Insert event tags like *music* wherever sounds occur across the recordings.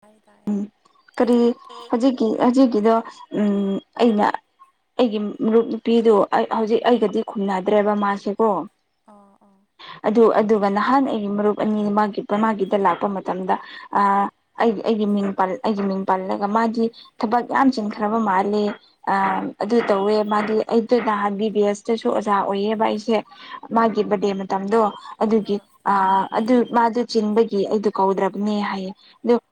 ꯇꯥꯏ ꯇꯥꯏ ꯎꯝ ꯀꯔꯤ ꯍꯧꯖꯤꯛ ꯍꯧꯖꯤꯛꯀꯤꯗꯣ ꯑꯩꯅ ꯑꯩꯒꯤ ꯃꯔꯨꯞ ꯅꯨꯄꯤꯗꯨ ꯑꯩ ꯍꯧꯖꯤꯛ ꯑꯩꯒꯗꯤ ꯈꯨꯝꯅꯗ꯭ꯔꯦꯕ ꯃꯥꯁꯦꯀꯣ ꯑꯥ ꯑꯥ ꯑꯗꯨ ꯑꯗꯨꯒ ꯅꯍꯥꯟ ꯑꯩꯒꯤ ꯃꯔꯨꯞ ꯑꯅꯤ ꯃꯥꯒꯤ ꯃꯥꯒꯤꯗ ꯂꯥꯛꯄ ꯃꯇꯝꯗ ꯑꯥ ꯎꯝ ꯑꯩꯒꯤ ꯃꯤꯡ ꯄꯜ ꯑꯩꯒꯤ ꯃꯤꯡ ꯄꯜꯂꯒ ꯃꯥꯗꯤ ꯊꯕꯛ ꯌꯥꯝ ꯆꯟꯈ꯭ꯔꯕ ꯃꯥꯂꯦ ꯑꯗꯨ ꯇꯧꯋꯦ ꯃꯥꯗꯤ ꯑꯩꯗ ꯅꯍꯥꯟ ꯕꯤ ꯕꯤ ꯑꯦꯁꯇꯁꯨ ꯑꯣꯖꯥ ꯑꯣꯏꯌꯦꯕ ꯑꯩꯁꯦ ꯑꯣ ꯃꯥꯒꯤ ꯕꯥꯔꯗꯦ ꯃꯇꯝꯗꯣ ꯑꯗꯨꯒꯤ ꯑꯣ ꯑꯥ ꯑꯗꯨ ꯃꯥꯗꯨ ꯆꯤꯟꯕꯒꯤ ꯑꯩꯗꯣ ꯀꯧꯗ꯭ꯔꯕꯅꯦ ꯍꯥꯏꯌꯦ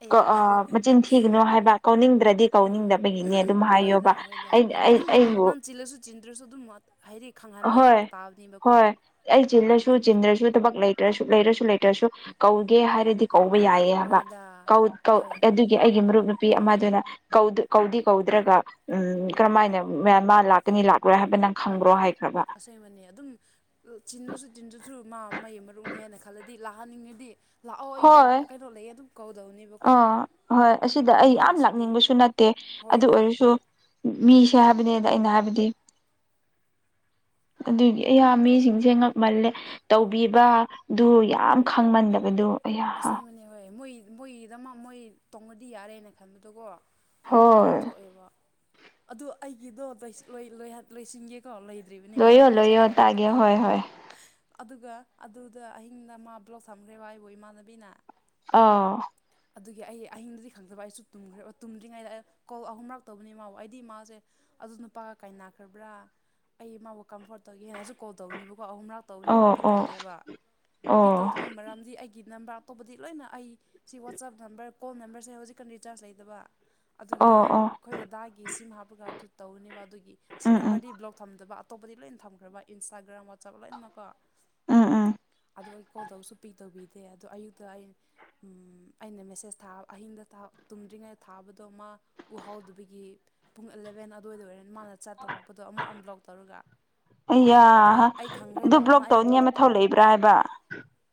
ꯑꯌꯥ ꯊꯤꯒꯅꯣ ꯍꯥꯏꯕ ꯀꯧꯅꯤꯡꯗ꯭ꯔꯗꯤ ꯀꯧꯅꯤꯡꯗꯕꯒꯤꯅꯦ ꯑꯗꯨꯝ ꯍꯣꯏꯗ ꯍꯥꯏꯌꯣꯕ ꯍꯣꯏꯗ ꯑꯩ ꯑꯗꯨꯝ ꯑꯩꯕꯨ ꯅꯪ ꯆꯤꯜꯂꯁꯨ ꯆꯤꯟꯗ꯭ꯔꯁꯨ ꯑꯗꯨꯝ ꯃꯥ ꯍꯥꯏꯗꯤ ꯈꯪꯍꯟꯕ ꯌꯥ ꯍꯣꯏ ꯇꯥꯕꯅꯦꯕꯀꯣ ꯍꯣꯏ ꯑꯩ ꯆꯤꯜꯂꯁꯨ ꯆꯤꯟꯗ꯭ꯔꯁꯨ ꯊꯕꯛ ꯂꯩꯇ꯭ꯔꯁꯨ ꯂꯩꯔꯁꯨ ꯂꯩꯇ꯭ꯔꯁꯨ ꯀꯧꯒꯦ ꯍꯥꯏꯔꯗꯤ ꯀꯧꯕ ꯌꯥꯏꯌꯦ ꯍꯥꯢꯕ ꯍꯣꯏꯗ ꯍꯣꯏ ꯑꯗꯨꯒꯤ ꯑꯩꯒꯤ ꯃꯔꯨꯞ ꯅꯨꯄꯤ ꯑꯃꯗꯨꯅ ꯀꯧ ꯀꯧꯗꯤ ꯀꯧꯗ꯭ꯔꯒ ꯎꯝ ꯀꯔꯝꯍꯥꯏꯅ ꯃꯥ ꯂꯥꯛꯀꯅꯤ ꯂꯥꯛꯂꯣꯏ ꯍꯥꯏꯕ ꯅꯪ ꯈꯪꯕ꯭ꯔꯣ ꯍꯥꯏꯈ꯭ꯔꯕ ꯑꯁꯦꯝꯕꯅꯤ ꯑꯗꯨꯝ ꯆꯤꯟꯗꯁꯨ ꯇꯤꯟꯗ꯭ꯔꯁꯨ ꯃꯥ ꯃꯩ ꯃꯔꯨꯞꯅꯤ ꯍꯥꯏꯅ ꯈꯜꯂꯗꯤ ꯂꯥꯛꯍꯟꯅꯤꯡꯉꯗꯤ ꯂꯥꯛꯑꯣ ꯑꯩ ꯕꯥꯔꯗꯦ ꯀꯩꯅꯣ ꯂꯩꯌꯦ ꯑꯗꯨꯝ ꯀꯧꯗꯧꯅꯤ ꯑ ꯍꯣꯏ ꯑꯁꯤꯗ ꯑꯩ ꯌꯥꯝ ꯂꯥꯛꯅꯤꯡꯕꯁꯨ ꯅꯠꯇꯦ ꯑꯗꯨ ꯍꯣꯏꯗ ꯑꯣꯏꯔꯁꯨ ꯍꯣꯏ ꯃꯤꯁꯦ ꯍꯥꯢ ꯍꯥꯏꯕꯅꯦꯗ ꯑꯩꯅ ꯍꯥꯏꯕꯗꯤ ꯑꯗꯨꯒꯤ ꯑꯌꯥ ꯀꯧ ꯃꯤꯁꯤꯡꯁꯦ ꯉꯛ ꯃꯜꯂꯦ ꯇꯧꯕꯤꯕ ꯗꯨ ꯌꯥꯝ ꯈꯪꯃꯟꯗꯕꯗꯨ ꯑꯩꯌꯥ ꯑꯁꯦꯡꯕꯅꯦ ꯍꯣꯏ ꯃꯣꯏ ꯃꯣꯏꯒꯤꯗꯃꯛ ꯃꯣꯏ ꯇꯣꯡꯉꯗꯤ ꯌꯥꯔꯦꯅ ꯈꯟꯕꯗꯨꯀꯣ ꯑꯗꯨꯝ ꯍꯣꯏ ꯊꯣꯛꯑꯦꯕ ꯑꯗꯨ ꯑꯩꯒꯤꯗꯣ ꯂꯣꯢ ꯂꯣꯢ ꯂꯣꯏꯁꯤꯟꯒꯦꯀꯣ ꯂꯩ ꯗ꯭ꯔꯤꯕꯅꯤ ꯂꯣꯏꯌꯣ ꯉꯔꯥꯡ ꯂꯣꯏꯌꯣ ꯉꯁꯥꯏ ꯍꯥꯏꯕꯗꯣ ꯇꯥꯒꯦ ꯍꯣꯏ ꯍꯣꯏ ꯑꯗꯨꯒ ꯑꯗꯨꯗ ꯑꯍꯤꯡꯗ ꯃꯥ ꯕ꯭ꯂꯣꯛ ꯊꯝꯈ꯭ꯔꯦꯕ ꯑꯩꯕꯣ ꯏꯃꯥꯟꯅꯕꯤꯅ ꯑꯥ ꯑꯗꯨꯒꯤ ꯑꯩ ꯑꯍꯤꯡꯗꯗꯤ ꯈꯪꯗꯕ ꯑꯩꯁꯨ ꯇꯨꯝꯈ꯭ꯔꯦꯕ ꯇꯨꯝꯗ꯭ꯔꯤꯉꯩꯗ ꯀꯣꯜ ꯑꯍꯨꯝꯔꯛ ꯇꯧꯕꯅꯦ ꯃꯥꯕꯨ ꯑꯩꯗꯤ ꯃꯥꯁꯦ ꯑꯗꯨ ꯅꯨꯄꯥꯒ ꯀꯥꯏꯅꯥ ꯈ꯭ꯔꯕ꯭ꯔꯥ ꯑꯩ ꯃꯥꯕꯨ ꯀꯝꯐꯣꯔꯠ ꯇꯧꯒꯦꯅꯁꯨ ꯀꯣꯜ ꯇꯧꯅꯤꯕꯀꯣ ꯑꯍꯨꯝ ꯔꯛ ꯇꯧꯕꯅꯤ ꯃꯥ ꯑꯣ ꯄꯤꯛ ꯑꯣ ꯇꯧꯗꯦꯕ ꯄꯤꯛ ꯑꯣ ꯇꯧꯗꯕꯩ ꯃꯔꯝꯗꯤ ꯑꯩꯒꯤ ꯅꯝꯕꯔ ꯑꯇꯣꯞꯄꯗꯤ ꯂꯣꯏꯅ ꯑꯩ ꯁꯤ ꯋꯥꯆꯞ ꯅꯝꯕꯔ ꯀꯣꯜ ꯅꯝꯕꯔꯁꯦ ꯍꯧꯖꯤꯛꯀꯥꯟ ꯔꯤꯆꯥꯔꯖ ꯂꯩꯇꯕ ꯑꯗꯨꯒꯤ ꯑꯣ ꯑꯣ ꯑꯩꯈꯣꯏ ꯗꯗꯥꯒꯤ ꯁꯤꯝ ꯍꯥꯞꯄꯒ ꯑꯗꯨ ꯇꯧꯕꯅꯦꯕ ꯑꯗꯨꯒꯤ ꯑꯁꯤ ꯎꯝ ꯎꯝ ꯅꯝꯕꯔꯗꯤ ꯕ꯭ꯂꯣꯛ ꯊꯝꯗꯕ ꯑꯇꯣꯞꯄꯗꯤ ꯂꯣꯏꯅ ꯊꯝꯈ꯭ꯔꯕ ꯏꯟꯁꯇꯥꯥꯒ꯭ꯔꯥꯝ ꯋꯥꯆꯞ ꯂꯣꯏꯅꯃꯛꯀꯣ ꯎꯝ ꯎꯝ ꯑꯗꯣ ꯑꯩ ꯀꯣꯜ ꯇꯧꯕꯁꯨ ꯄꯤꯛ ꯇꯧꯕꯤꯗꯦ ꯑꯗꯣ ꯑꯌꯨꯛꯇ ꯑꯩ ꯑꯩꯅ ꯃꯦꯁꯦꯁ ꯊꯥ ꯑꯍꯤꯡꯗ ꯇꯨꯝꯗ꯭ꯔꯤꯉꯩꯗ ꯊꯥꯕꯗꯣ ꯃꯥ ꯎꯍꯥꯎꯗꯕꯒꯤ ꯄꯨꯡ ꯑꯦꯂꯚꯦꯟ ꯑꯗꯨꯋꯥꯏꯗ ꯑꯣꯏꯔ ꯃꯥꯅ ꯆꯥꯠ ꯇꯧꯔꯛꯄꯗꯣ ꯑꯃꯨꯛ ꯑꯟꯕ꯭ꯂꯣꯛ ꯇꯧꯔꯒ ꯑꯌꯥ ꯑꯗꯣ ꯑꯩ ꯑꯗꯨ ꯈꯪꯈ꯭ꯔꯦꯕ ꯕ꯭ꯂꯣꯛ ꯃꯥꯅ ꯑꯩꯕꯨ ꯇꯧꯅꯤꯡꯉꯥꯢ ꯃꯥꯊꯧ ꯂꯩꯕ꯭ꯔꯥ ꯍꯥꯏꯕ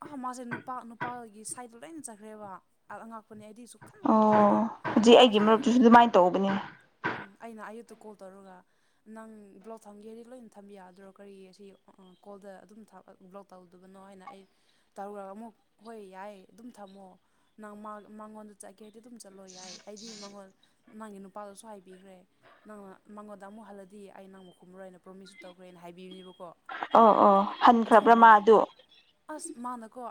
ꯑꯥ ꯃꯥꯁꯦ ꯅꯨꯄꯥ ꯅꯨꯄꯥꯒꯤ ꯁꯥꯏꯗꯠꯇ ꯂꯣꯏꯅ ꯆꯠꯈ꯭ꯔꯦꯕ ꯑꯉꯥꯛꯄꯅꯤ ꯑꯩꯗꯤ ꯁꯨꯈꯟ ꯈꯜꯂꯨꯕꯗꯣ ꯑꯣ ꯍꯧꯖꯤꯛ ꯑꯩꯒꯤ ꯑꯗꯨꯒꯤ ꯑꯩꯅ ꯃꯔꯨꯞꯇꯨꯁꯨ ꯑꯗꯨꯃꯥꯏꯅ ꯇꯧꯕꯅꯦ ꯎꯝ ꯑꯩꯅ ꯑꯥꯌꯨꯛꯇ ꯀꯣꯜ ꯇꯧꯔꯒ ꯅꯪ ꯕ꯭ꯂꯣꯛ ꯊꯝꯒꯦꯗꯤ ꯂꯣꯏꯅ ꯊꯝꯕ ꯌꯥꯗ꯭ꯔꯣ ꯀꯔꯤ ꯑꯁꯤ ꯀꯣꯜꯗ ꯑꯗꯨꯝ ꯊꯝ ꯕ꯭ꯂꯣꯛ ꯇꯧꯗꯕꯅꯣ ꯍꯥꯏꯅ ꯑꯩ ꯇꯧꯔꯒ ꯑꯃꯨꯛ ꯍꯣꯏ ꯌꯥꯏ ꯑꯗꯨꯝ ꯊꯝꯃꯣ ꯅꯪ ꯃꯥ ꯃꯉꯣꯟꯗ ꯆꯠꯀꯦ ꯍꯥꯏꯗꯤ ꯑꯗꯨꯝ ꯆꯠꯂꯣ ꯌꯥꯏ ꯑꯩꯗꯤ ꯃꯉꯣꯜ ꯅꯪꯒꯤ ꯅꯨꯄꯥꯗꯁꯨ ꯍꯥꯏꯕꯤꯈ꯭ꯔꯦ ꯅꯪꯅ ꯃꯉꯣꯟꯗ ꯑꯃꯨꯛ ꯍꯜꯂꯗꯤ ꯑꯩ ꯅꯪꯕꯨ ꯈꯨꯝꯃꯔꯣꯏꯅ ꯄ꯭ꯔꯣꯃꯤꯁꯖꯨ ꯇꯧꯈ꯭ꯔꯦꯅ ꯍꯥꯏꯕꯤꯔꯦꯕꯀꯣ ꯑꯣ ꯑꯣ ꯍꯟꯈ꯭ꯔꯕ꯭ꯔ ꯃꯥꯗꯨ ꯑꯥꯁ ꯃꯥꯅꯀꯣ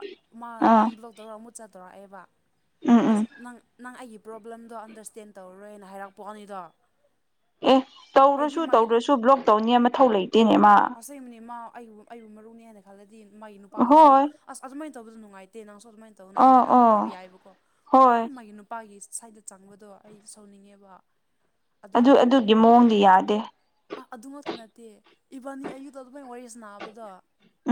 ꯃꯥ ꯑꯥ ꯑꯟꯕ꯭ꯂꯣꯛ ꯇꯧꯔ ꯃꯨꯠꯆꯗꯧꯔꯛꯑꯦꯕ ꯎꯝ ꯎꯝ ꯑꯥꯁ ꯅꯪ ꯅꯪ ꯑꯩꯒꯤ ꯄ꯭ꯔꯣꯕ꯭ꯂꯦꯝꯗꯣ ꯑꯟꯗꯔꯁꯇꯦꯟ ꯇꯧꯔꯔꯣꯏꯅ ꯍꯥꯏꯔꯛ ꯄꯣꯠꯅꯤꯗꯣ ꯑꯦ ꯇꯧꯔꯁꯨ꯭ ꯇꯧꯗ꯭ꯔꯁꯨ ꯕ꯭ꯂꯣꯛ ꯇꯧꯅꯤꯡꯉꯥꯏ ꯃꯊꯧ ꯂꯩꯇꯦꯅꯦ ꯃꯥ ꯑꯁꯦꯡꯕꯅꯤ ꯃꯥ ꯑꯩꯕꯨ ꯑꯩꯕꯨ ꯃꯔꯨꯞꯅꯤ ꯍꯥꯏꯅ ꯈꯜꯂꯗꯤ ꯃꯥꯒꯤ ꯅꯨꯄꯥꯗꯨꯁꯨ ꯍꯣꯏ ꯑꯥꯁ ꯑꯗꯨꯃꯥꯏꯅ ꯇꯧꯗꯁꯨ ꯅꯨꯡꯉꯥꯏꯇꯦ ꯅꯪꯁꯨ ꯑꯗꯨꯃꯥꯏꯅ ꯇꯧꯅꯣ ꯍꯥꯏꯅ ꯑꯥ ꯑꯃꯨꯛ ꯑꯥ ꯍꯥꯏꯕ ꯌꯥꯏꯑꯦꯕꯀꯣ ꯄꯨꯔꯥ ꯍꯣꯏ ꯃꯥꯒꯤ ꯅꯨꯞ ꯄꯥꯒꯤ ꯁꯥꯏꯗꯇ ꯆꯪꯕꯗꯣ ꯑꯩ ꯁꯥꯎꯅꯤꯡꯉꯦꯕ ꯑꯗꯨ ꯑꯗꯨꯒꯤ ꯃꯑꯣꯡꯗꯨ ꯌꯥꯗꯦ ꯑꯥ ꯑꯗꯨꯃꯛꯇꯤ ꯅꯠꯇꯦ ꯏꯕꯥꯅꯤ ꯑꯌꯨꯛꯇ ꯑꯗꯨꯃꯥꯏꯅ ꯋꯥꯔꯤ ꯁꯅꯥꯅꯕꯗꯣ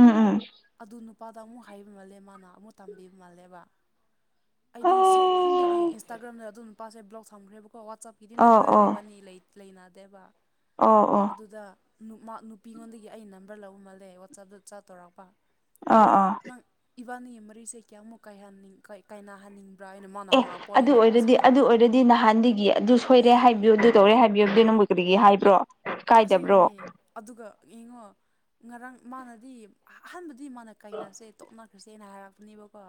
ꯎꯝ ꯎꯝ ꯑꯗꯨ ꯅꯨ ꯄꯥꯗ ꯑꯃꯨꯛ ꯍꯥꯏꯕ ꯃꯥꯜꯂꯦ ꯃꯥꯅ ꯑꯃꯨꯛ ꯇꯝꯕꯤꯕ ꯃꯥꯜꯂꯦꯕ ꯑꯩꯗꯤ ꯁꯥꯎꯃꯟꯕꯒꯤ ꯑꯣ ꯏꯟꯁꯇꯥꯒ꯭ꯔꯥꯝꯗ ꯑꯗꯨꯝ ꯅꯨꯄꯥꯁꯦ ꯕ꯭ꯂꯣꯛ ꯊꯝꯈ꯭ꯔꯦꯕꯀꯣ ꯋꯥꯆꯞꯀꯤꯗꯤ ꯑꯣ ꯅꯝꯕꯔ ꯏꯕꯥꯅꯤ ꯂꯩ ꯂꯩꯅꯥꯗꯦꯕ ꯑꯣ ꯑꯣ ꯑꯗꯨꯗ ꯃꯥ ꯅꯨꯄꯤꯉꯣꯟꯗꯒꯤ ꯑꯩ ꯅꯝꯕꯔ ꯂꯧꯕꯃꯥꯜꯂꯦ ꯋꯥꯆꯞꯇ ꯆꯥꯠꯇꯧꯔꯛꯄ ꯑꯥ ꯍꯣꯏ ꯑꯥ ꯅꯪ ꯏꯕꯥꯅꯤ ꯃꯔꯤꯁꯦ ꯀꯌꯥꯃꯨꯛ ꯀꯥꯏꯍꯟꯅꯤꯡ ꯀꯥꯏꯅꯍꯟꯅꯤꯡ ꯄ꯭ꯔꯥꯅ ꯃꯅꯥ ꯍꯪꯉꯛꯄ ꯋꯥꯅꯤ ꯅꯨꯄꯥꯁꯤꯅ ꯗꯤ ꯅꯍꯥꯟꯗꯒꯤ ꯑꯗꯨ ꯁꯣꯏꯔꯦ ꯍꯥꯏꯕꯤꯌꯨ ꯑꯗꯨ ꯇꯧꯔꯦ ꯍꯥꯏꯕꯤꯌꯨ ꯑꯗꯨ ꯅꯪꯕꯨ ꯀꯔꯤꯒꯤ ꯍꯥꯏꯕ꯭ꯔꯣ ꯀꯥꯏꯗꯕ꯭ꯔꯣ ꯑꯁꯦꯡꯕꯅꯤ ꯑꯗꯨꯒ ꯌꯦꯡꯉꯣ ꯉꯔꯥꯡ ꯃꯥꯅꯗꯤ ꯑꯍꯥꯟꯕꯗꯤ ꯃꯥꯅ ꯀꯥꯏꯅꯔꯁꯦ- ꯇꯣꯛꯅꯈ꯭ꯔꯁꯦꯅ ꯍꯥꯏꯔꯛꯄꯅꯦꯕꯀꯣ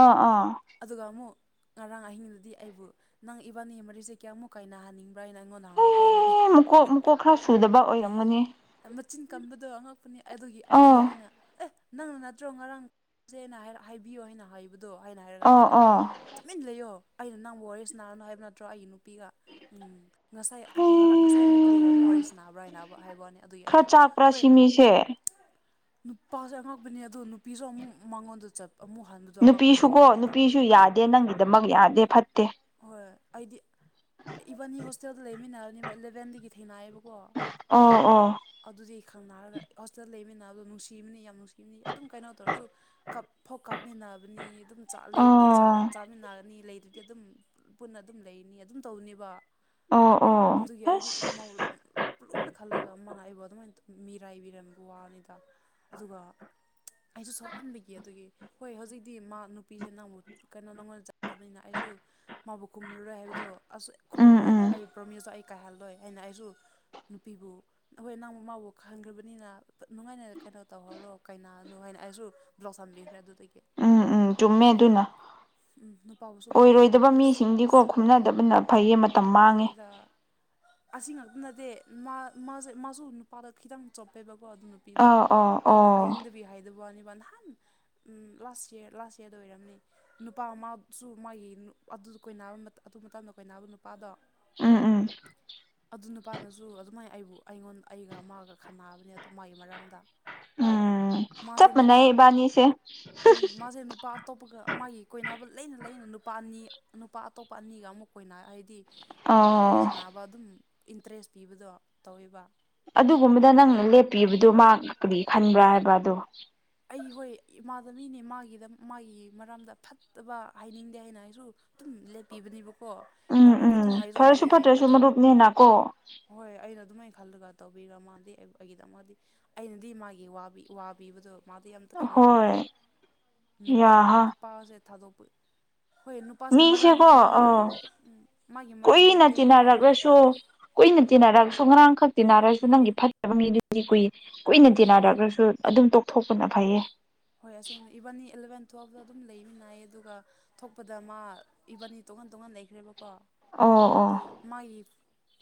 ꯑꯥ ꯑꯥ ꯑꯗꯨꯒ ꯑꯃꯨꯛ ꯉꯔꯥꯡ ꯑꯍꯤꯡꯗꯨꯗꯤ ꯑꯩꯕꯨ ꯅꯪ-ꯏꯕꯥꯅꯤ ꯃꯔꯤꯁꯦ ꯀꯌꯥꯃꯨꯛ ꯀꯥꯏꯅꯍꯟꯅꯤꯡꯕ꯭ꯔꯥ ꯍꯥꯏꯅ ꯑꯩꯉꯣꯟꯗ ꯉꯥꯕꯅꯤ ꯢꯍꯤ ꯍꯦ ꯀꯣꯛ ꯈꯔ ꯁꯨꯗꯕ ꯑꯣꯏꯔꯝꯒꯅꯤ ꯑꯥ ꯃꯆꯤꯟ ꯀꯟꯕꯗꯣ ꯑꯉꯛꯄꯅꯤ ꯑꯗꯨꯒꯤ ꯑꯗꯨꯒꯤ ꯑꯥ ꯑꯩꯅ ꯑꯦ ꯅꯪꯅ ꯅꯠꯇ꯭ꯔꯣ ꯉꯔꯥꯡ ꯆꯦꯅ ꯍꯥꯏꯅ ꯍꯥꯏꯕꯤꯌꯣ ꯍꯥꯏꯕꯗꯣ ꯍꯥꯏꯅ ꯍꯥꯏꯔꯒ ꯑꯥ ꯃꯥꯅ ꯑꯥ ꯃꯤꯟ ꯂꯩꯌꯣ ꯑꯩꯅ ꯅꯪꯕꯨ ꯋꯥꯔꯤ ꯁꯥꯟꯅꯥꯔꯅꯨ ꯍꯥꯏꯕ ꯅꯠꯇ꯭ꯔꯣ ꯑꯩꯒꯤ ꯅꯨꯄꯤꯒ ꯎꯪ ꯉꯁꯥꯏ ꯀ ꯍꯦ ꯉꯁꯥꯏ ꯑꯌꯨꯛ ꯀꯔꯤꯒꯤ ꯑꯃꯨꯛ ꯋꯥꯔꯤꯁꯤ ꯁꯥꯟꯅꯕ꯭ꯔꯥ ꯍꯥꯏꯅ ꯍꯥꯏꯕ ꯋꯥꯅꯦ ꯈꯔ ꯆꯥꯛꯄ꯭ꯔꯥ ꯁꯤ ꯃꯤꯁꯦ ꯅꯨꯄꯥꯖꯦ ꯑꯉꯛꯄꯅꯤ ꯑꯗꯣ ꯅꯨꯄꯤꯖꯨ ꯑꯃꯨꯛ ꯃꯉꯣꯟꯗ ꯆꯠ ꯑꯃꯨꯛ ꯍꯟꯕꯗꯣ ꯑꯉꯛꯄꯅꯦ ꯍꯥꯏꯕꯅꯤꯗ ꯆꯦ ꯅꯪꯒꯤꯗꯃꯛ ꯌꯥꯗꯦ ꯐꯠꯇꯦ ꯍꯣꯑꯣꯏ ꯑꯩꯗꯤ ꯏꯕꯥꯅꯤ ꯍꯣꯁꯇꯦꯜꯗ ꯂꯩꯃꯤꯟꯅꯥꯕꯅꯦꯕ ꯑꯦꯂꯚꯦꯟꯗꯒꯤ ꯊꯦꯡꯅꯑꯦꯕ ꯎꯪ ꯎꯪ ꯑꯗꯨꯗꯤ ꯈꯪꯅꯔꯒ ꯍꯣꯁꯇꯦꯜ ꯂꯩꯃꯤꯅꯕꯗꯣ ꯅꯨꯡꯁꯤꯕꯅꯤ ꯌꯥꯝ ꯅꯨꯡꯁꯤꯕꯅꯤ ꯑꯗꯨꯝ ꯀꯩꯅꯣ ꯇꯧꯔꯖꯨ ꯀꯞ ꯐꯥꯎ ꯀꯞꯃꯤꯟꯅꯕꯅꯤ ꯑꯗꯨꯝ ꯆꯥ ꯂꯩꯕꯗꯤ ꯑꯣ ꯆꯥꯃꯤꯟꯅꯔꯅꯤ ꯂꯩ ꯇꯗꯤ ꯑꯗꯨꯝ ꯄꯨꯟꯅ ꯑꯗꯨꯝ ꯂꯩꯅꯤ ꯑꯗꯨꯝ ꯇꯧꯅꯤꯕ ꯑꯣ ꯑꯣ ꯑꯗꯨꯒꯤ ꯑꯩꯗꯤ ꯑꯁ ꯃꯧ ꯂꯨꯅ ꯈꯜꯂꯒ ꯃꯥꯅ ꯑꯩꯕꯨ ꯑꯗꯨꯃꯥꯏꯅ ꯇꯧ ꯃꯤꯔꯥꯏꯕꯤꯔꯝꯕ ꯋꯥꯅꯤꯗ ꯑꯗꯨꯒ ꯑꯩꯖꯨ ꯁꯥꯎꯃꯟꯕꯒꯤ ꯑꯗꯨꯒꯤ ꯍꯣꯏ ꯍꯧꯖꯤꯛꯇꯤ ꯃꯥ ꯅꯨꯄꯤꯖꯦ ꯅꯪꯕꯨ ꯀꯩꯅꯣ ꯅꯪꯉꯣꯟꯗ ꯆꯥꯔꯕꯅꯤꯅ ꯑꯩꯖꯨ ꯃꯥꯕꯨ ꯈꯨꯝꯔꯔꯣꯏ ꯍꯥꯏꯕꯗꯣ ꯑꯩꯁꯨ ꯎꯝ ꯈꯨꯝꯔꯔꯣꯏ ꯎꯝ ꯑꯩ ꯄ꯭ꯔꯣꯃꯤꯁꯇꯣ ꯑꯩ ꯀꯥꯏꯍꯜꯂꯣꯏ ꯍꯥꯏꯅ ꯑꯩꯖꯨ ꯅꯨꯄꯤꯕꯨ ꯑꯩꯈꯣꯏ ꯅꯪ ꯃꯥꯕꯨ ꯈꯟꯒ꯭ꯔꯕꯅꯤꯅ ꯐ ꯅꯨꯡꯉꯥꯏꯅ ꯀꯩꯅꯣ ꯇꯧꯍꯧꯔꯣ ꯀꯩꯅꯥꯅꯣ ꯍꯥꯏꯅ ꯑꯩꯖꯨ ꯕ꯭ꯂꯣꯛ ꯊꯝꯕꯤꯈ꯭ꯔꯦ ꯑꯗꯨꯗꯒꯤ ꯎꯝ ꯎꯝ ꯆꯨꯝꯃꯦ ꯑꯗꯨꯅ ꯎꯝ ꯅꯨꯄꯥꯕꯨꯁꯨ ꯕ꯭ꯂꯣꯛ ꯊꯝꯈ꯭ꯔꯦ ꯑꯣꯏꯔꯣꯏꯗꯕ ꯑꯩꯁ ꯃꯤꯁꯤꯡꯗꯤꯀꯣ ꯈꯨꯝꯅꯗꯕꯅ ꯐꯩꯌꯦ ꯃꯇꯝ ꯃꯥꯡꯉꯦ ꯍꯣꯏꯗ ꯑꯁꯤ ꯉꯥꯛꯇ ꯅꯠꯇꯦ ꯃꯥ ꯃꯥꯖꯦ ꯃꯥꯁꯨ ꯅꯨꯄꯥꯗ ꯈꯤꯇꯪ ꯆꯣꯞꯄꯦꯕꯀꯣ ꯑꯗꯨꯅ ꯅꯨꯄꯤꯗꯣ ꯑꯥꯎ ꯑꯣ ꯑꯩꯅ ꯑꯣ ꯍꯥꯏꯅꯤꯡꯗꯕꯤ ꯍꯥꯏꯗꯕ ꯋꯥꯅꯦꯕ ꯅꯍꯥꯟ ꯎꯝ ꯂꯥꯁ ꯏꯌ꯭ꯔ ꯂꯥꯁ ꯏꯌ꯭ꯔꯗ ꯑꯣꯏꯔꯝꯅꯤ ꯅꯨꯄꯥ ꯃꯥꯁꯨ ꯃꯥꯒꯤ ꯅꯨ ꯑꯗꯨꯖꯨ ꯀꯣꯏꯅꯕ ꯃꯇꯝ ꯑꯗꯨ ꯃꯇꯝꯗ ꯀꯣꯏꯅꯕ ꯅꯨꯄꯥꯗꯣ ꯎꯝ ꯎꯝ ꯑꯗꯨ ꯅꯨꯄꯥꯗꯖꯨ ꯑꯗꯨꯃꯥꯏꯟ ꯑꯩꯕꯨ ꯑꯩꯉꯣꯟ ꯑꯩꯒ ꯃꯥꯒ ꯈꯠꯅꯕꯅꯦ ꯑꯗꯨ ꯃꯥꯒꯤ ꯃꯔꯝꯗ ꯎꯝ ꯃꯥꯖꯦ ꯆꯞ ꯅꯨꯄꯥ ꯃꯥꯟꯅꯩ ꯏꯕꯥꯅꯤꯁꯦ ꯎꯝ ꯃꯥꯖꯦ ꯅꯨꯄꯥ ꯑꯇꯣꯞꯄꯒ ꯃꯥꯒꯤ ꯀꯣꯏꯅꯕ ꯂꯩꯅ ꯂꯩꯅ ꯅꯨꯄꯥ ꯑꯅꯤ ꯅꯨꯄꯥ ꯑꯇꯣꯞꯄ ꯑꯅꯤꯒ ꯑꯃꯨꯛ ꯀꯣꯏꯅ ꯍꯥꯏꯗꯤ ꯎꯝ ꯋꯥꯔꯤ ꯑꯣ ꯁꯥꯟꯅꯕ ꯑꯗꯨꯝ ꯏꯟꯇ꯭ꯔꯦꯁ ꯄꯤꯕꯗꯣ ꯇꯧꯋꯦꯕ ꯑꯗꯨꯒꯨꯝꯕꯗ ꯅꯪꯅ ꯂꯦꯞꯄꯤꯕꯗꯣ ꯃꯥ ꯀꯔꯤ ꯈꯟꯕ꯭ꯔꯥ ꯍꯥꯏꯕ ꯑꯗꯣ ꯑꯩ ꯍꯣꯏ ꯏꯃꯥꯟꯅꯕꯤꯅꯦ ꯃꯥꯒꯤꯗ ꯃꯥꯒꯤ ꯃꯔꯝꯗ ꯐꯠꯇꯕ ꯍꯥꯏꯅꯤꯡꯗꯦ ꯍꯥꯏꯅ ꯑꯩꯁꯨ ꯗꯨꯝ ꯂꯦꯞꯄꯤꯕꯅꯦꯕ ꯎꯝ ꯎꯝ ꯐꯔꯁꯨ ꯐꯠꯇ꯭ꯔꯁꯨ ꯑꯗꯨꯒꯤ ꯃꯔꯨꯞꯅꯦꯅꯀꯣ ꯍꯣꯏ ꯑꯩꯅ ꯑꯗꯨꯃꯥꯏ ꯈꯜꯂꯒ ꯇꯧꯕꯤꯔ ꯃꯥꯥꯅꯗꯤ ꯑꯩꯕꯨ ꯑꯩꯒꯤꯗꯃꯛꯗꯤ ꯑꯩꯅꯗꯤ ꯃꯥꯒꯤ ꯋꯥꯕꯤ ꯋꯥꯕꯤꯕꯗꯣ ꯃꯥꯗꯤ ꯑꯝꯇ ꯈꯪꯉꯝꯗꯦꯕ ꯍꯣꯏ ꯅꯨꯄꯥ ꯌꯥꯍꯥ ꯅꯨꯄꯥꯖꯦ ꯊꯥꯗꯣꯛꯄ ꯍꯣꯏ ꯅꯨ ꯃꯤꯁꯦꯀꯣ ꯑꯥ ꯃꯥꯒꯤ ꯃꯔꯝ ꯀꯨꯏꯅ ꯂꯩꯇꯦꯀꯣ ꯇꯤꯟꯅꯔꯛꯂꯁꯨ ꯀꯨꯏꯅ ꯎꯝ ꯇꯤꯟꯅꯔꯛꯁꯨ ꯉꯔꯥꯡꯈꯛ ꯇꯤꯟꯅꯔꯁꯨ ꯅꯪꯒꯤ ꯐꯠꯇꯕ ꯃꯤꯗꯨꯗꯤ ꯀꯨꯏ ꯀꯨꯏꯅ ꯇꯤꯟꯅꯔꯛꯒꯁꯨ ꯑꯗꯨꯝ ꯇꯣꯛꯊꯣꯛꯄꯅ ꯐꯩꯌꯦ ꯍꯣꯏ ꯑꯁꯦꯡꯕꯅꯤ ꯏꯕꯥꯟꯅꯤ ꯑꯦꯂꯕꯦꯟ ꯇꯨꯋꯦꯜꯞꯇ ꯑꯗꯨꯝ ꯂꯩꯃꯤꯅꯩ ꯑꯗꯨꯒ ꯊꯣꯛꯄꯗ ꯃꯥ ꯏꯕꯥꯅꯤ ꯇꯣꯉꯥꯟꯟ ꯇꯣꯉꯥꯟ ꯂꯩꯈ꯭ꯔꯦꯕꯀꯣ ꯑꯣ ꯑꯣ ꯑꯗꯨꯒꯤ ꯃꯥꯒꯤ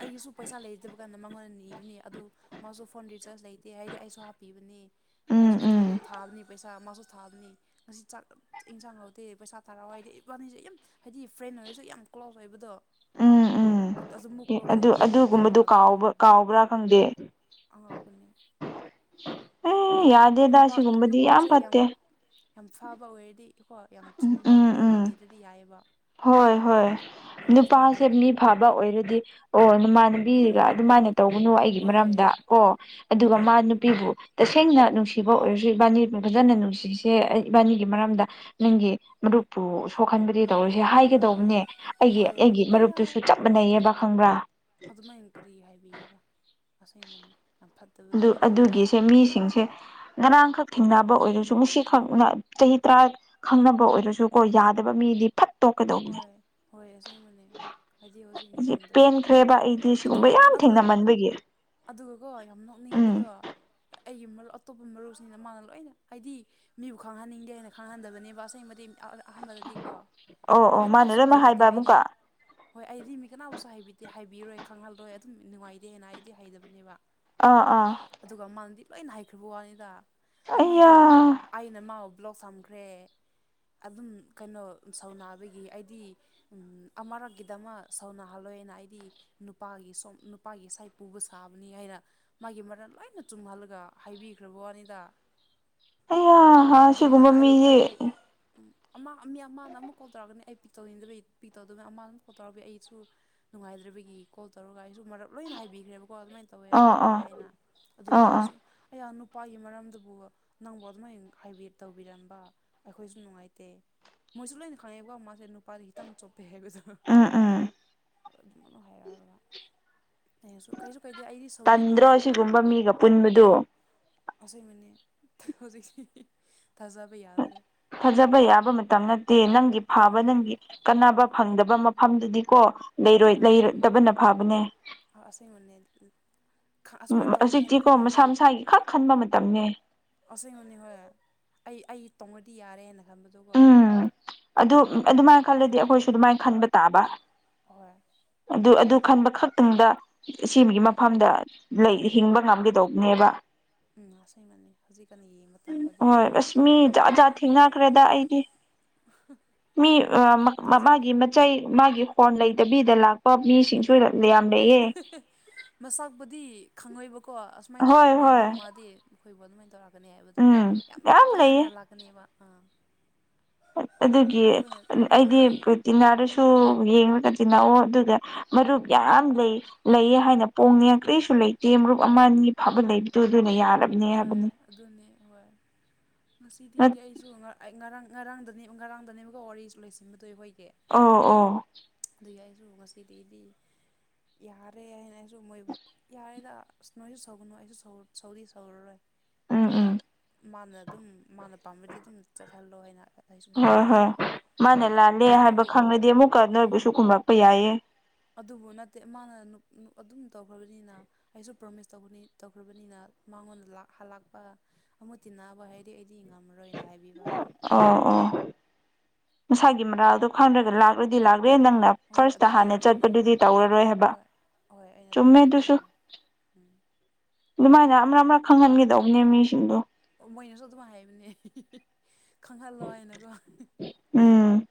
ꯑꯩꯒꯤꯁꯨ ꯄꯩꯁꯥ ꯂꯩꯇꯕ ꯀꯥꯟꯗ ꯃꯉꯣꯟꯗ ꯅꯤꯕꯅꯦ ꯑꯗꯨ ꯃꯥꯁꯨ ꯐꯣꯟ ꯔꯤꯆꯥꯔꯖ ꯂꯩ ꯇꯦ ꯍꯥꯏꯔꯗꯤ ꯑꯩꯁꯨ ꯍꯥꯞꯄꯤꯕꯅꯤ ꯎꯝ ꯑꯩꯁꯨ ꯊꯥ ꯎꯝ ꯊꯥꯕꯅꯦ ꯄꯩꯁꯥ ꯃꯥꯁꯨ ꯊꯥꯕꯅꯤ ꯉꯁꯤ ꯆꯥꯛ ꯑ ꯏꯟꯁꯥꯡ ꯍꯥꯎꯗꯦ ꯄꯩꯁꯥ ꯊꯥꯔꯛꯑꯣ ꯍꯥꯏꯔꯗꯤ ꯏꯕꯥꯅꯤꯁꯦ ꯌꯥꯝ ꯍꯥꯏꯗꯤ ꯐ꯭ꯔꯦꯟ ꯑꯣꯏꯔꯁꯨ ꯌꯥꯝ ꯀ꯭ꯂꯣꯁ ꯑꯣꯏꯕꯗꯣ ꯎꯝ ꯎꯝ ꯑꯗꯨꯃꯨꯛ ꯌꯦ ꯀ꯭ꯂꯣꯖ ꯑꯗꯨ ꯑꯣꯏꯕꯅꯦꯕ ꯑꯗꯨꯒ ꯑꯗꯨꯒꯨꯝꯕꯗꯨ ꯑꯗꯨꯃꯥꯏꯅ ꯀꯥꯎꯕ ꯍꯥꯏꯔꯛꯄꯗꯣ ꯀꯥꯎꯕ꯭ꯔꯥ ꯈꯪꯗꯦ ꯑꯉꯛꯄꯅꯦ ꯅꯨ ꯑꯦ ꯌꯥꯗꯦꯗ ꯅꯨꯄꯥ ꯁꯤꯒꯨꯝꯕꯗꯤ ꯅꯨꯄꯥꯁꯦ ꯌꯥꯝ ꯐꯠꯇꯦ ꯌꯥꯝ ꯐꯕ ꯑꯣꯏꯔꯗꯤ ꯀꯣ ꯌꯥꯝ ꯎꯝ ꯆꯨꯝꯕ ꯎꯝ ꯎꯝ ꯃꯔꯜ ꯂꯩꯗ꯭ꯔꯗꯤ ꯌꯥꯏꯌꯦꯕ ꯍꯣꯏ ꯍꯣꯏ ꯅꯨꯄꯥꯁꯦ ꯃꯤ ꯐꯕ ꯑꯣꯏꯔꯗꯤ ꯑꯣ ꯅꯃꯥꯟꯅꯕꯤꯒ ꯎꯝ ꯑꯗꯨꯃꯥꯏꯅ ꯇꯧꯒꯅꯣ ꯑꯩꯒꯤ ꯃꯔꯝꯗ ꯍꯣꯏ ꯀꯣ ꯑꯗꯨꯒ ꯍꯣꯏ ꯃꯥ ꯅꯨꯄꯤꯕꯨ ꯇꯁꯦꯡꯅ ꯅꯨꯡꯁꯤꯕ ꯑꯣꯏꯔꯁꯨ ꯏꯕꯥꯅꯤ ꯐꯖꯅ ꯅꯨꯡꯁꯤꯁꯦ ꯑꯩ ꯏꯕꯥꯅꯤꯒꯤ ꯃꯔꯝꯗ ꯅꯪꯒꯤ ꯃꯔꯨꯞꯄꯨ ꯁꯣꯛꯍꯟꯕꯗꯤ ꯇꯧꯔꯣꯏꯁꯦ ꯍꯥꯏꯒꯗꯧꯕꯅꯦ ꯑꯩꯒꯤ ꯍꯣꯏ ꯑꯩꯒꯤ ꯑꯩꯌꯥ ꯃꯔꯨꯞꯇꯨꯁꯨ ꯆꯞ ꯃꯥꯟꯅꯩꯌꯦꯕ ꯈꯪꯕ꯭ꯔꯥ ꯑꯗꯨꯃꯥꯏꯅ ꯀꯔꯤ ꯍꯥꯏꯕꯤꯒꯦꯔꯥ ꯑꯁꯦꯡꯕꯅꯤ ꯌꯥꯝ ꯐꯠ ꯑꯗꯨ ꯑꯗꯨꯒꯤꯁꯦ ꯃꯤꯁꯤꯡꯁꯦ ꯉꯔꯥꯡꯈꯛ ꯊꯦꯡꯅꯕ ꯑꯣꯏꯔꯁꯨ ꯉꯁꯤꯈꯛꯅ ꯆꯍꯤ ꯇꯔꯥ ꯈꯪꯅꯕ ꯑꯣꯏꯔꯁꯨ ꯀꯣ ꯌꯥꯗꯕ ꯃꯤꯗꯤ ꯐꯠ ꯇꯣꯛꯀꯗꯧꯕꯅꯦ ꯍꯣꯏ ꯍꯣꯏ ꯑꯁꯦꯡꯕꯅꯦ ꯍꯥꯏꯗꯤ ꯍꯧꯖꯤꯛ ꯑꯁꯤ ꯅꯤꯡꯉꯝꯗꯕꯗꯣ ꯄꯦꯟꯈ꯭ꯔꯦꯕ ꯑꯩꯗꯤ ꯁꯤꯒꯨꯝꯕ ꯑꯗꯨꯒ ꯌꯥꯝ ꯑꯗꯨꯒ ꯊꯦꯡꯅꯃꯟꯕꯒꯤ ꯑꯗꯨꯒꯀꯣ ꯌꯥꯝ ꯎꯝ ꯅꯣꯛꯅꯤꯡꯕꯗꯣ ꯑꯩꯒꯤ ꯃꯔꯨꯞ ꯑꯇꯣꯞꯄ ꯃꯔꯨꯞꯁꯤꯡꯅ ꯃꯥꯅ ꯂꯣꯏꯅ ꯍꯥꯏꯗꯤ ꯃꯤꯕꯨ ꯈꯪꯍꯟꯅꯤꯡꯗꯦ ꯍꯥꯏꯅ ꯈꯪꯍꯟꯗꯕꯅꯦꯕ ꯑꯁꯦꯡꯕꯗꯤ ꯑꯥ ꯑꯍꯥꯟꯕꯗꯗꯤꯀꯣ ꯑꯣ ꯃꯤ ꯑꯣ ꯃꯥꯅ ꯀꯅꯥꯕꯁꯨ ꯂꯣꯏꯅꯃꯛ ꯍꯥꯏꯕ ꯍꯥꯏꯕꯤꯗꯦ ꯑꯩꯗꯤ ꯑꯃꯨꯛꯀ ꯍꯣꯏ ꯑꯩꯗꯤ ꯃꯤ ꯀꯅꯥꯕꯨꯁꯨ ꯍꯥꯏꯕꯤꯗꯦ ꯍꯥꯏꯕꯤꯔꯣꯏ ꯈꯪꯍꯜꯂꯣꯏ ꯑꯗꯨꯝ ꯅꯨꯡꯉꯥꯏꯇꯦꯅ ꯑꯩꯗꯤ ꯍꯩꯗꯕꯅꯦꯕ ꯑꯥ ꯑꯥ ꯑꯗꯨꯒ ꯃꯥꯅꯗꯤ ꯂꯣꯏꯅ ꯍꯥꯏꯈ꯭ꯔꯕ ꯋꯥꯅꯤꯗ ꯑꯗꯨꯃꯥꯏꯅ ꯑꯩꯌꯥ ꯇꯧꯋꯦ ꯑꯩꯅ ꯃꯥꯕꯨ ꯕ꯭ꯂꯣꯛ ꯊꯝꯈ꯭ꯔꯦ ꯑꯗꯨꯝ ꯀꯩꯅꯣ ꯁꯥꯎꯅꯕꯒꯤ ꯑꯩꯗꯤ ꯑꯃꯔꯛꯀꯤꯗꯃꯛ ꯁꯥꯎꯅꯍꯜꯂꯣꯏꯅ ꯑꯩꯗꯤ ꯅꯨꯄꯥꯒꯤ ꯁꯣꯝ ꯅꯨꯄꯥꯒꯤ ꯁꯥꯏꯠ ꯄꯨꯕ ꯁꯥꯕꯅꯤ ꯍꯥꯏꯅ ꯃꯥꯒꯤ ꯃꯔꯥꯜ ꯂꯣꯏꯅ ꯆꯨꯝꯍꯜꯂꯒ ꯍꯥꯏꯕꯤꯈ꯭ꯔꯕ ꯋꯥꯅꯤꯗ ꯑꯩꯌꯥ ꯑꯗꯨ ꯁꯤꯒꯨꯝꯕ ꯃꯣꯏꯅ ꯑꯩꯕꯨ ꯃꯤꯁꯦ ꯑꯩꯕꯨ ꯑꯃ ꯃꯤ ꯑꯃꯅ ꯑꯃꯨꯛ ꯀꯣꯜ ꯇꯧꯔꯛꯀꯅꯤ ꯑꯩ ꯄꯤꯛꯇꯧꯅꯤꯗꯕꯩ ꯑꯩ ꯄꯤꯛ ꯇꯧꯗꯕꯅ ꯑꯃꯅ ꯀꯣ ꯇꯧꯔꯛꯄꯩ ꯑꯩꯁꯨ ꯅꯨꯡꯉꯥꯏꯗ꯭ꯔꯕꯒꯤ ꯀꯣꯜ ꯇꯧꯔꯒ ꯑꯩꯁꯨ ꯃꯔꯛ ꯂꯣꯏꯅ ꯍꯥꯏꯕꯤꯈ꯭ꯔꯦꯕꯀꯣ ꯑꯗꯨꯃꯥꯏꯅ ꯇꯧꯋꯦ ꯑꯥ ꯑꯗꯨꯃꯥꯏꯅ ꯑꯥ ꯇꯧꯋꯦ ꯍꯥꯏꯅ ꯑꯗꯨ ꯑꯥ ꯑꯥ ꯃꯣꯏꯅꯁꯨ ꯑꯩꯌꯥ ꯅꯨꯄꯥꯒꯤ ꯃꯔꯝꯗꯕꯨ ꯅꯪꯕꯨ ꯑꯗꯨꯃꯥꯏꯅ ꯍꯥꯏꯕꯤ ꯇꯧꯕꯤꯔꯝꯕ ꯑꯩꯈꯣꯏꯁꯨ ꯅꯨꯡꯉꯥꯏꯇꯦ ꯃꯣꯏꯁꯨ ꯂꯣꯏꯅ ꯈꯪꯉꯦꯀꯣ ꯃꯥꯁꯦ ꯅꯨꯄꯥꯗ ꯈꯤꯇꯪ ꯆꯣꯄ ꯍꯥꯏꯕꯗꯣ ꯎꯝ ꯎꯝ ꯑꯗꯨꯃꯛꯅ ꯍꯥꯏꯔꯛꯑꯒ ꯃꯥ ꯑꯩꯅꯁꯨ ꯀꯩꯁꯨ ꯀꯩꯗꯦ ꯑꯩꯗꯤ ꯇꯟꯗ꯭ꯔꯣ ꯁꯧꯕꯤꯗꯦꯗ ꯑꯁꯤꯒꯨꯝꯕ ꯃꯤꯒ ꯄꯨꯟꯕꯗꯨ ꯑꯁꯦꯡꯕꯅꯦ ꯍꯧꯖꯤꯛ ꯊꯥꯖꯕ ꯌꯥꯗ꯭ꯔꯦ ꯊꯖꯥꯕ ꯌꯥꯕ ꯃꯇꯝ ꯅꯠꯇꯦ ꯅꯪꯒꯤ ꯐꯥꯕ ꯎꯝ ꯅꯪꯒꯤ ꯀꯥꯟꯅꯕ ꯐꯪꯗꯕ ꯃꯐꯝꯗꯗꯤꯀꯣ ꯂꯩꯔꯣꯏ ꯂꯩꯔꯗꯕꯅ ꯐꯥꯕꯅꯦ ꯑꯥ ꯑꯁꯦꯡꯕꯅꯦ *unintelligible* ꯑꯁꯨꯃꯥꯏꯅ ꯇꯧꯅꯤ ꯍꯥꯏꯅ ꯍꯧꯖꯤꯛꯇꯤꯀꯣ ꯃꯁꯥ ꯈꯪꯉꯗꯤ ꯃꯁꯥꯒꯤ ꯈꯛ ꯈꯟꯕ ꯃꯇꯝꯅꯦ ꯑꯁꯦꯡꯕꯅꯦ ꯍꯣꯏ ꯑꯩ ꯑꯩ ꯇꯣꯡꯉꯗꯤ ꯌꯥꯔꯦꯅ ꯊꯝꯕꯗꯨꯀꯣ ꯎꯝ ꯑꯗꯨ ꯑꯗꯨꯃꯥꯏꯅ ꯈꯜꯂꯗꯤ ꯑꯩꯈꯣꯏꯁꯨ ꯑꯗꯨꯃꯥꯏꯅ ꯈꯟꯕ ꯇꯥꯕ ꯍꯣꯏ ꯑꯗꯨ ꯑꯗꯨ ꯈꯟꯕ ꯈꯛꯇꯪꯗ ꯑꯁꯦꯝꯒꯤ ꯃꯐꯝꯗ ꯂꯩ ꯍꯤꯡꯕ ꯉꯝꯒꯗꯧꯕꯅꯦꯕ ꯎꯝ ꯑꯁꯦꯡꯕꯅꯦ ꯍꯧꯖꯤꯛꯀꯥꯟ ꯌꯦ ꯍꯣꯏ ꯑꯁ ꯃꯤ ꯖꯥꯠ ꯖꯥꯠ ꯊꯦꯡꯅꯈ꯭ꯔꯦꯗ ꯑꯩꯗꯤ ꯃꯤ ꯑꯥ ꯊꯥꯖ ꯃꯥꯒꯤ ꯃ ꯆꯩ ꯃꯥꯒꯤ ꯍꯣꯟ ꯂꯩꯇꯕꯤꯗ ꯂꯥꯛꯄ ꯃꯤꯁꯤꯡꯁꯨ ꯌꯥꯝ ꯂꯩꯌꯦ ꯃꯁꯥꯛꯄꯨꯗꯤ ꯈꯪꯉꯣꯏꯕꯀꯣ ꯑꯁꯨꯃꯥꯏꯅ ꯍꯣꯏ ꯇꯧꯔꯛꯀꯅꯤ ꯍꯣꯏ ꯅꯣꯡꯃꯗꯤ ꯃꯈꯣꯏꯕꯨ ꯑꯗꯨꯃꯥꯏꯅ ꯇꯧꯔꯛ ꯂꯥꯛꯀꯅꯤ ꯍꯥꯏꯕꯗꯣ ꯎꯝ ꯌꯥꯝ ꯂꯩꯌꯦ ꯐꯅ ꯂꯥꯛꯀꯅꯦꯕ ꯑꯥ ꯑꯗꯨꯒꯤ ꯑꯩꯈꯣꯏꯅ ꯑꯩꯗꯤ ꯇꯤꯟꯅꯥꯔꯁꯨ ꯌꯦꯡꯉꯒ ꯇꯤꯟꯅꯋꯣ ꯑꯗꯨꯒ ꯃꯔꯨꯞ ꯌꯥꯝ ꯂꯩ ꯂꯩꯌꯦ ꯍꯥꯏꯅ ꯄꯣꯡꯅꯤꯡꯉꯥꯏ ꯀꯔꯤꯁꯨ ꯂꯩꯇꯦ ꯃꯔꯨꯞ ꯑꯃ ꯑꯅꯤ ꯐꯕ ꯂꯩꯕꯗꯨ ꯑꯗꯨꯅ ꯌꯥꯔꯕ ꯍꯣꯏ ꯑꯗꯨꯅꯦ ꯍꯣꯏ ꯉꯁꯤꯗꯒꯤꯗꯤ ꯑꯩꯁꯨ ꯉꯔꯥꯡ ꯉꯔꯥꯡ ꯉꯔꯥꯡꯗꯅꯦ ꯉꯔꯥꯡꯗꯅꯦꯕꯒꯣ ꯋꯥꯔꯤꯁꯨ ꯂꯩꯁꯤꯟꯕꯗꯣ ꯑꯍꯣꯏꯒꯤ ꯑꯣ ꯑꯣ ꯑꯗꯨꯒꯤ ꯑꯩꯁꯨ ꯉꯁꯤꯗꯒꯤꯗꯤ ꯌꯥꯔꯦ ꯍꯥꯏꯅ ꯑꯩꯁꯨ ꯃꯣꯏꯕꯨ ꯌꯥꯔꯦꯗ ꯑꯁ ꯅꯣꯏ ꯁꯥꯎꯒꯅ‍ꯣ ꯑꯩꯁꯨ ꯁꯥꯎ ꯁꯥꯎꯗꯤ ꯁꯥꯎꯔꯔꯣꯏ ꯎꯝ ꯑꯗꯨꯝ ꯎꯝ ꯃꯥꯅ ꯑꯗꯨꯝ ꯃꯥꯅ ꯄꯥꯝꯃꯗꯤ ꯑꯗꯨꯝ ꯆꯠꯍꯜꯂꯣ ꯍꯥꯏꯅ ꯑꯩꯁꯨ ꯑꯗꯨꯝ ꯍꯣꯏ ꯍꯥꯏꯕꯤꯈ꯭ꯔꯦ ꯍꯣꯏ ꯃꯥꯅ ꯂꯥꯜꯂꯦ ꯍꯥꯏꯕ ꯑꯗꯨꯕꯨ ꯈꯪꯂꯗꯤ ꯑꯃꯨꯛꯀ ꯅꯣꯏꯕꯨꯁꯨ ꯎꯝ ꯈꯨꯝꯂꯛꯄ ꯌꯥꯏꯌꯦ ꯑꯗꯨꯕꯨ ꯅꯠꯇꯦ ꯃꯥꯅ *unintelligible* ꯑꯗꯨꯝ ꯇꯧꯈ꯭ꯔꯕꯅꯤꯅ ꯑꯩꯁꯨ ꯄ꯭ꯔꯣꯃꯤꯁ ꯇꯧꯕꯅꯤ ꯇꯧꯈ꯭ꯔꯕꯅꯤꯅ ꯃꯉꯣꯟꯗ ꯂꯥꯛꯍꯜ ꯂꯥꯛꯄ ꯑꯃꯨꯛ ꯇꯤꯟꯅꯕ ꯍꯥꯏꯗꯤ ꯑꯩꯗꯤ ꯉꯝꯃꯔꯣꯏꯅ ꯍꯥꯏꯕꯤꯕ ꯍꯥꯏꯗꯤ ꯑꯣ ꯑꯣ ꯃꯁꯥꯒꯤ ꯃꯔꯥꯜꯗꯣ ꯈ‌ꯪꯗ꯭ꯔꯒ ꯂꯥꯛꯂꯗꯤ ꯂꯥꯛꯂꯦ ꯅꯪꯅ ꯍꯣꯏ ꯐꯥꯔꯁꯇ ꯑꯗꯨꯗꯤ ꯍꯥꯟꯅ ꯑꯗꯨꯅꯦ ꯆꯠꯄꯗꯨꯗꯤ ꯇꯧꯔꯔꯣꯏ ꯍꯥꯏꯕ ꯍꯣꯏ ꯆꯨꯝꯃꯦ ꯑꯗꯨꯁꯨ ꯎꯝ ꯑꯗꯨꯃꯥꯏꯅ ꯑꯃ ꯑꯃꯔꯛ ꯈꯪꯍꯟꯒꯗꯧꯕꯅꯦ ꯃꯤꯁꯤꯡꯗꯣ ꯃꯣꯏꯅꯁꯨ ꯑꯗꯨꯝ ꯍꯥꯏꯕꯅꯦ *unintelligible* ꯈꯪꯍꯜꯂꯣ ꯍꯥꯏꯅꯀꯣ ꯎꯝ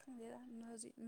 ꯈ‌ꯪꯗ‌ꯦꯗ *unintelligible*